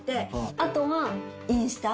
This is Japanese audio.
あとはインスタ。